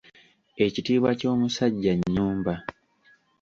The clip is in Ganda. Ekitiibwa ky’omusajja nnyumba.